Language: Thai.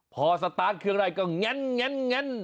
พอสตาร์ทเครื่องไร่ก็งั้นงั้นงั้น